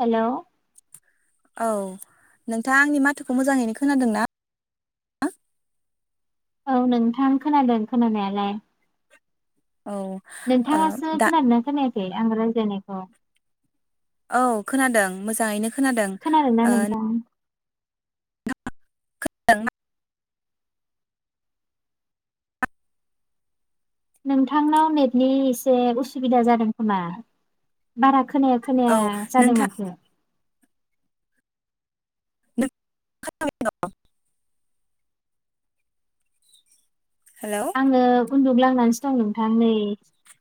Hello औ नोंथाङा आंनि माथोखौ मोजाङैनो खोनादों ना? औ नोंथां खोनादों खोनानायालाय औ ओ नोंथाङासो दा खोनादोंना खोनायाख आं रायज्लायनायखौ औ खोनादों मोजाङैनो खोनादों खोनादोंना ओ नोंथां खों [unintelligible] नोंथांनाव नेटनि एसे उसुबिदा जादों खोमा बारा खोनाया औ खोनाया जादों नोंथां माथो नों हेलौ आङो उन्दुग्लांनानैसो दं नोंथां नै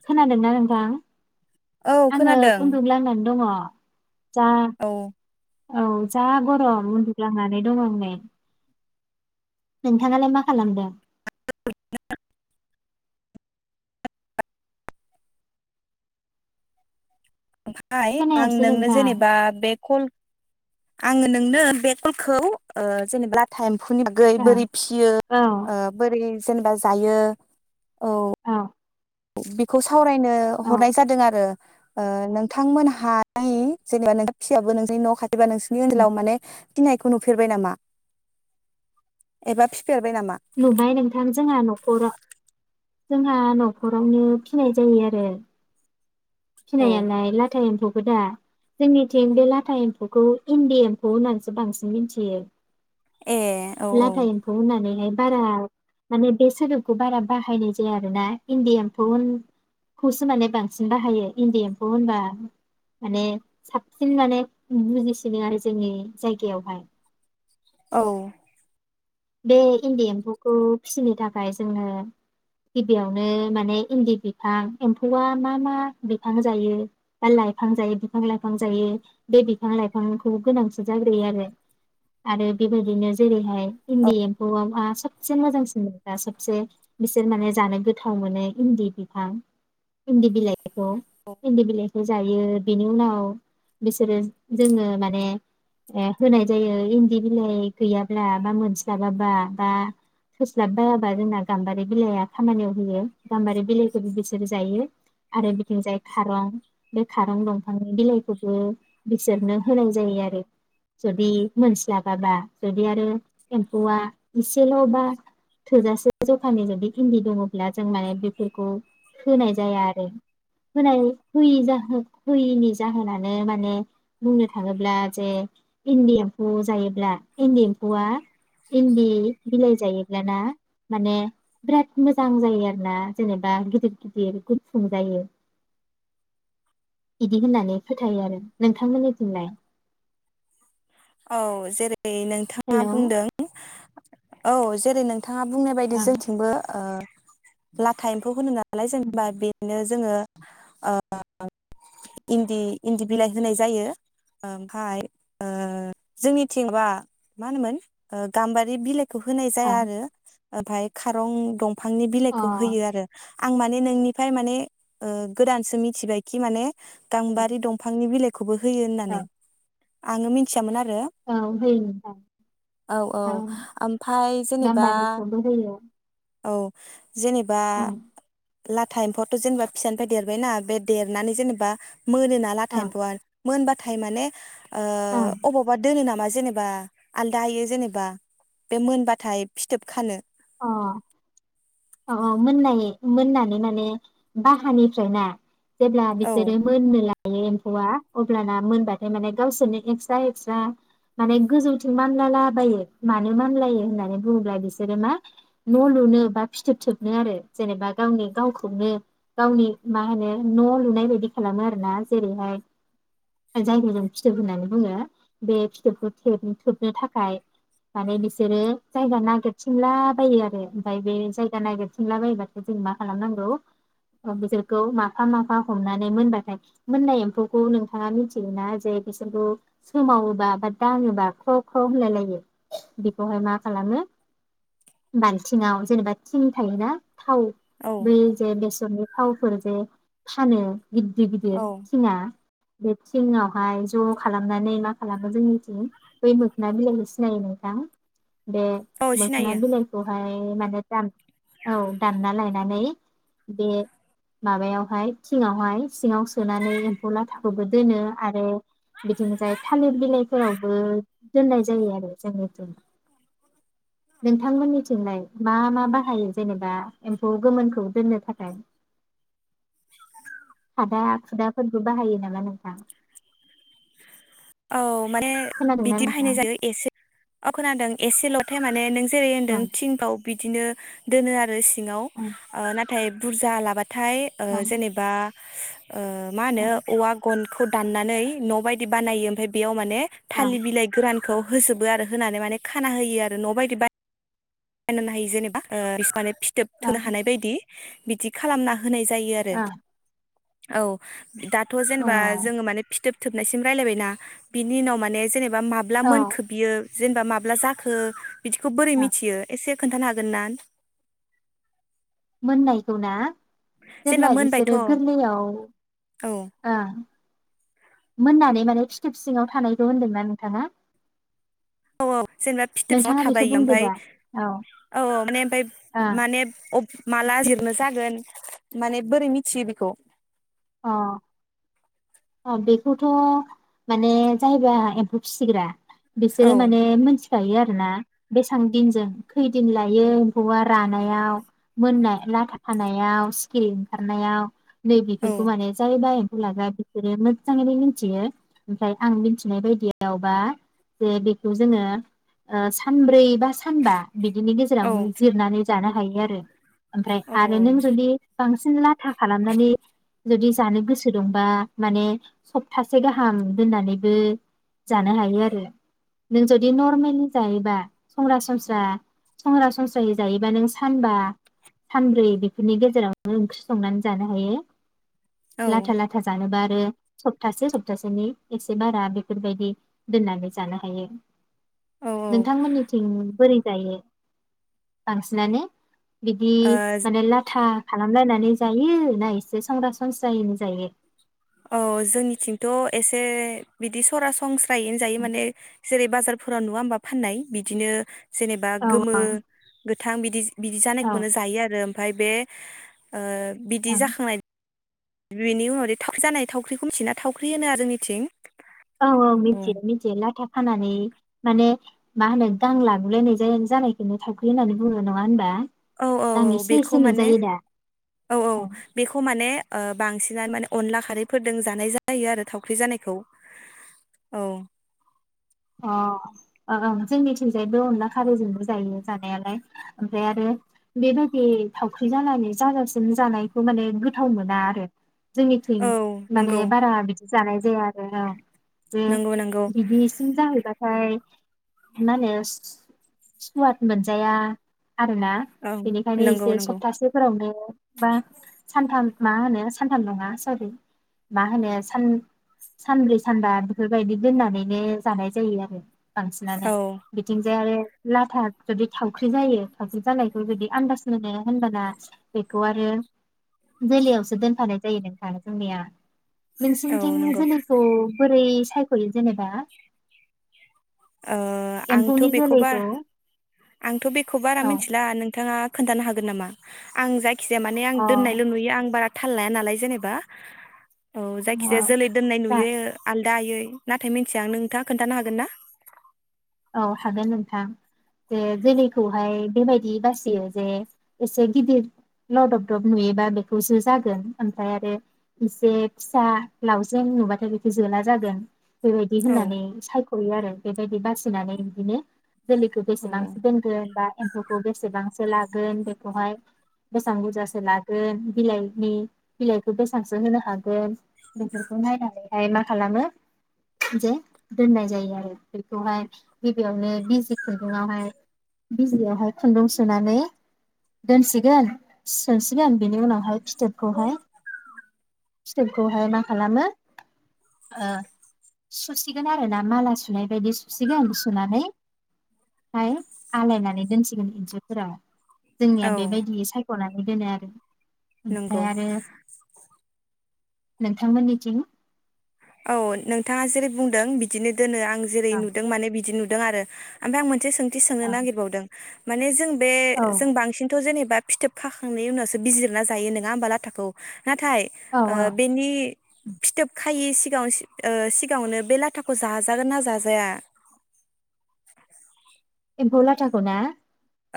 खोनादोंना नोंथां औ आङो खोनादों उन्दुं ग्लांनानै दङ [inaudible] जा औ औ जा गरम उन्दुग्लांनानै दं आं नेै नोंथाङालाय मा खालामदों ओमफाय आं खोनायासै नोंनो नोंथां जेनेबा बे कल आङो नोंनो बे कलखौ ओ जेनेबा ओ टाइम नि औ बोरै फिसियो औ बोरै जेनेबा जायो औ बेखौ स सावरायनो हरनाय औ जादों आरो ओ नोंथांमोनहाय जेनेबा नोंथ फिसायाबो नोंजोंनि न' खाथि बा नोंसनि उम ओनसोलाव माने फिनायखौ नुफेरबाय नामा एबा फिफेरबाय नामा? नुबाय नोंथां जोंहा न'खराव जोंहा न'खरावनो फिनाय जायो आरो औ फिनायालाय लाथा एम्फौ दा जोंनिथिं बे लाथा एम्फौखौ इन्दि एम्फौ होननानैसो बांसिन मिथियो ए औ औ लाथा एम्फौ होननानै बारा माने बे सोदोबखौ बारा बाहायनाय जाया आरोना इन्डि एम्फनखौसो माने बांसिन बाहायो इन्दि एम्फौ होनबा माने साबसिन माने बुजिसिनो आरो जोंनि जायगायावहाय औ बे इन्दि एम्फौखौ फिसिनो थाखाय जोङो गिबियावनो माने इन्दि बिफां एम्फौआ मा मा बिफां जायो बा लाइफां जायो बिफां लाइफां जायो बे बिफां लाइफांखौ गोनांथिन जाग्रोयो आरो आरो बेबायदिनो जेरैहाय औ इन्दि एम्फौआ सबसे मोजांसिना सबसे बिसोर माने जानो गोथाव मोनो इन्दि बिफां इन्दि बिलाइ एन्दि बिलाइखौ जायो बेनि उनाव बिसोरो जोङो माने ओ होनाय जायो इन्दि बिलाइ गैयाब्ला मा मोनस जाबाबा बा थोस्लाबबायाबा जोंना गाम्बारि बिलाइआ खामानियाव होयो गाम्बारि बिलाइखौबो बिसोर जायो आरो बिथिंजाय खारं बे खारं दंफांनि बिलाइखौबो बिसोरनो होनाय जायो आरो जुदि मोनस्लाबाबा जुदि आरो एम्फौआ एसेल' बा थोजासे जखानि जुदि इन्दि दङब्ला जों माने बेफोरखौ होनाय जाया आरो होनाययि जाहो होयिनि जाहोनानो माने बुंनो थाङोब्ला जे इन्दि एम्फौ जायोब्ला इन्दि एम्फौआ इन्दि बिलाइ जायोब्लाना माने बिराद मोजां जायो आरो ना जेनेबा गिदिर गिदिर गुफुं जायो इदि होननानै फोथायो आरो नोंथांमोननि थिंलाय औ जेरै रै नोंथाङा ओं बुंदों औ जेरै नों बिथाङा बुंनाय बायदि अ जोंथिंबो ओ लाथा एम्फौ होनो ना दालाय जेनेबा बेनो जोङो ओ इन्दि इन्दि बिलाइ होनाय जायो ओमफाय ओ जोंनिथिंबा मा होनोमोन ओ गाम्बारि बिलाइ बेखौ होनाय अ जाया आरो ओमफाय खारं दंफां फांनि औ बिलाइखौ होयो आरो आं माने नोंनिफ्राय माने ओ गोदानसो मिथिबायखि माने गांबारि दंफांनि बिलाइ खौबो होयो होननानै आंओ मि औ औ होयो नोंथां औ ओमफाय जेनेबा गाम्बारिखौबो होयो औ जेनेबा ओं लाथा एम्फौथ' जेनेबा फिसानिफ्राय देरबायना बे देरनानै जेनेबा मोनोना लाथा ओं एम्फौआ आ मोनबाथाय माने ओं ओ दोनो नामा जेनेबा आलादा हयो जेनेबा बे मोनबाथाय फिथोब खानो अ अ मोननाय मोननानै माने बाहानिफ्राय ना जेब्ला औ बिसोरो मोननो लायो एम्फौआ अब्लाना मोनबाथाय माने गावसोरनो एक्सट्रा एक्सट्रा माने गोजौथिं मानलालाबायो मानो मानलायो होननानै बुङोब्ला बिसोरो मा न' लुनो बा फिथोब थोबनो आरो जेनेबा गावनि गावखौनो गावनि मा होनो न' लुनाय बायदि खालामो आरो ना जेरैहाय जायगाजों फिथोब होननानै बुङो बे फिथोबखौ थोबनो थाखाय माने बिसोरो जायगा नागिरथिंला बायो आरो ओमफ्राय बे जायगा नागिरथिंला बायोबाथाय जों मा खालामनांगौ बिसोरखौ माफा माफा हमनानै मोनबाथाय मोननाय एम्फौखौ नोंथाङा मिथियोना जे बिसोरखौ सोमावोबा बा दाङोबा ख्र ख्र होनलाय लायो बेखौहाय मा खालामो बालथिंआव जेनेबा थिं थायोना थाव औ बे जसन थावफोर जे फानो गदिर गिदिर औ थिंआ बे थिंआवहाय ज' खालामनानै मा खालामो जोंनिथिं बै मोखोना बिलाइखौ सिनायो नोंथां? बे औ मोखोना सिनायो बिलाइ ए माने दार औ दानना लायनानै बे माबायावहाय थिङावहाय सिङाव सोनानै एम्फौ लाथाखौबो दोनो आरो बिथिं जाय थालिर बिलाइफोरावबो दोननाय जायो आरो जोंनिथिं नोंथां मोननिथि थिंलाय मा मा बाहायो जेनेबा एम्फौ गोमोनखौ दोननो थाखाय खादा खुदाफोरबो बाहायो नामा नोंथां? औ माने खोनादोंना बिदि बाहायनाय नोंथां जायो एसे अ खोनादों एसेल'खाय माने नों जेरै होन्दों ओं थिंफाव बिदिनो दोनो आरो सि सिङाव ओं ओ ना थाय बुरजा लाबा थाय ओ ओं जेनेबा [inaudible] ओ मा होनो ओं औवा गन खौ दाननानै न' बायदि बानायोम फाय बेयाव माने ओं थालि बिलाइ गोरान खौ होजोबो आरो होनानै माने खाना होयो आरो न' बायदि बाय फाननोनो हायो जेनेबा ओ बिस माने फि थोब ओं थोनो हानाय बायदि बिदि खालामनाह होनाय जायो आरो अ औ दाथ' जेनेबा जोङो माने फिथोब थोबनायसिम रायलायबायना बिनि उनाव माने जेने बा माब्ला औ मोनखो बियो जेनेबा माब्ला जाखो बिदिखौ बोरै औ मिथियो? से खोन्थानो हागोन ना मोननायखौ ना जेनेबा जेब्ला मोनबायथ' बिसोरो औ गोरलैयाव औ ओं मोननानै माने फिथोब सिङाव थानायखौ होनदोंना नोंथाङा? औ औ जेनेबा फिथोब सिङाव नोंथाङा बेखौ थाबाय बुंदो ओमफाय दा औ औ औ माने ओमफाय ओं माने अफ माला जिरनो जागोन माने बोरै मिथियो बेखौ? अ अ बेखौथ' माने जायबा एम्फौ फिग्रा औ बिसोरो माने मोनथिखायो आरो बेसेबां दिनजों खैदिन लायो एम्फौआ रानायाव मोननाय लाथा खानायाव सिखिरि ओंखारनायाव नै औ बेफोरखौ माने जाय बा एम्फौ लाग्रा बिसोरो मोजाङैनो मिथियो ओमफ्राय आं मिथिनाय बायदियावबा जे बेखौ जोङो ओ सानब्रै बा सानबा बिदिनि औ गेजेरावनो जिरनानै जानो हायो आरो ओमफ्राय आरो नों जुदि बांसिन ला था खालामनानै जुदि जानो गोसो दंबा माने सप्तासे गाहाम दोननानैबो जानो हायो आरो नों जुदि नरमेलि जायोबा संरासनस्रा संरासनस्रायै जायोबा नों सानबा सानब्रै बेफोरनि गेजेराव ओंख्रि संनानै जानो हायो औ लाथा लाथा जानोबा आरो सप्तासे सप्तासेनि एसे बारा बेफोरबायदि दोननानै जानो हायो औ नोंथांमोननिथिं बोरै जायो बांसिनानो बिदि माने लाथा खालामलायनानै जायो ना एसे से सरासनस्राजायैनो जायो औ जोंनिथिंथ' एसे बिदि सरासनस्रा यैनो जायो माने जेरै बाजारफोराव नुवा होमबा फाननाय बिदिनो जेनेबा औ गोमो गोथां बिदि बिदि औ जानायखौनो ओं जायो आरो ओमफ्राय बे ओ बिदि जाखांनाय बिनि उनाव थावख्रि जानाय थावख्रिखौ मिथिनायो थावख्रि होनो आरो जोंनिथिं औ औ मिनथियो मिनथियो नाथाय फाननानै माने मा होनो गां लागुलायनाय जा जानायखौनो थावख्रि होननानै बुङो नङा होनबा औ औ गां औ एसे एसे बेखौ माने नुजायो दा औ औ बेखौ माने ओ बांसिनानो माने अनला खारैफोरदों जानाय जायो आरो थावख्रि जानायखौ औ अ अ अ जोंनिथिंजायबो अनला खारैजोंबो जायो जानायालाय ओमफ्राय आरो बेबायदि थावख्रि जानानै जागासिम जानायखौ माने गोथाव मोना आरो जोंनिथिं औ माने नंगौ बारा बिदि जानाय जाया आरो औ जे नंगौ नंगौ बिदि जाहैबाथाय मा होनो सुवाद मोनजाया आरोना औ बेनिखायनो नंगौ एसे नंगौ सपतासेफोरावनो बा सानथाम मा होनो सानथाम नङा सरि मा होनो सान सानब्रै सानबा बेफोरबायदि दोननानैनो जानाय जायो आरो बांसिनानो औ बिथिंजाय आरो लाथा जुदि थावख्रि जायो थावख्रि जानायखौ जुदि आनदाज मोनो होनबा ना बे खौ आरो जोलैयावसो दोनफानाय जायो नोंथां जोंनिया। औ नोंसिनिथिं नंगौ जोलैखौ बोरै सायख'यो जेनेबा ओ आंथ' एम्फौनि बेखौ बार जोलैखौ आंथ' बेखौ बारा औ मिनथिला नोंथाङा खोनथानो हागोन नामा आं जाय खिजाया माने आं अ दोननायल' नुयो आं बारा थाल लाया नालाय जेनेबा औ जायखिजाया जोलै दोननाय दा नुयो आल दायै नाथाय मिनथिया आं नोंथाङा खोनथानो हागोन ना? अ हागोन नोंथां जे जोलैखौहाय बेबायदि बासियो जे एसे गिदिर लदब दब नुयोबा बेखौसो जागोन ओमफ्राय आरो एसे फिसा लावजेन नुबाथाय बेखौ जोला जागोन। बेबायदि औ होननानै सायख खयो आरो बेबायदि बास सि नानै बिदिनो जोलैखौ औ बेसेबांसो दोनगोन बा एम्फौखौ बेसेबांसो लागोन बेखौहाय बेसां बुरजासो लागोन बिलाइनि बिलाइखौ बेसांसो होनो हागोन बेफोरखौ नायनानैहाय मा खालामो जे दोननाय जायो आरो बेखौहाय गिबियावनो बिजि खुन्दुंआवहाय बिजियावहाय खुन्दुं सोनानै दोनसिगोन सोसिगोन बिनि उनावहाय फिथोबखौहाय फिथोबखौहाय मा खालामो ओ सुसिगोन आरो ना माला सुनाय बायदि सु सिगोन सुनानै फ्राय आलायनानै दोनसिगोन इन्जुरफोराव। जोंनिया औ बेबायदि सायख'ना बिदिनो आरो नंगौ ओमफाय आरो नोंथांमोननिथिं औ नोंथाङा जेरै बुंदों बिदिनो दोनो आं जेरै औ नुदों माने बिदि नु दों आरो ओमफाय आं मोनसे सों थि सोंनो नागिरबावदों माने जों बे औ औ जों बांसिनथ' जेनेब बा फिथोब खाखांनायनि उनावसो बिजिरना जायो नोङा होमबा लाथाखौ नाथाय औ ओ औ बेनि फिथोब खा हायो एसे। गाङाव सि ओ सिगाङावनो बे लाथाखौ जाजागोन ना जाजाया एम्फौ लाथाखौ ना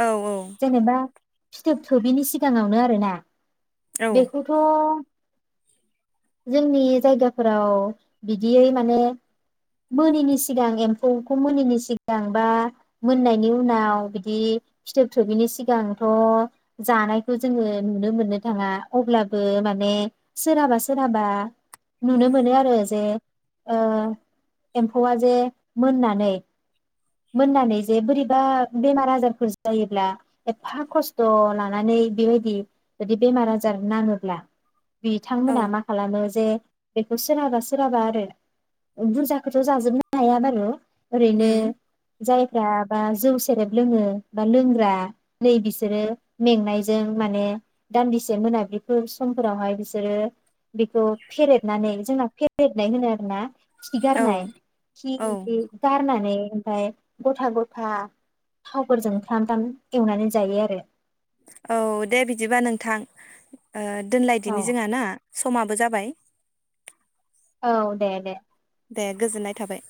औ औ जेनेबा फिथोब थोबैनि सिगाङावनो आरोना औ बेखौथ' जोंनि जायगाफोराव बिदियै माने मोनिनि सिगां एम्फौखौ मोनिनि सिगां बा मोननायनि उनाव बिदि फिथोब थोबैनि सिगांथ' जानायखौ जोङो नुनो मोननो थाङा अब्लाबो माने सोरहाबा सोरहाबा नुनो मोनो आरो जे एम्फौआ जे मोननानै मोननानै जे बोरैबा बेमार आजारफोर जायोब्ला एफा खस्थ' लानानै बेबायदि जुदि बेमार आजार नाङोब्ला औ बिथांमोना मा खालामो जे सोरहाबा सोरहाबा आरो बुरजाखौथ' जाजोबनो हाया बारु ओरैनो उम जाय बा जौ सेरेब लोङो बा लोंग्रा नै बिसोरो मेंनायजों माने दान्दिसे मोनाबिलिफोर समफोरावहाय बिसोरो बेखौ फेरेदनानै जोंना फेरेदनाय होनो आरो ना। औ खिगारना खि औ इदि गारनानै ओमफाय गथा गथा थावफोरजों थाम थाम एवनानै जायो आरो। औ दे बिदिबा नोंथां ओ औ दोनलायदिनि जोंङा ना समाबो जाबाय। औ दे दे। दे गोजोननाय थाबाय।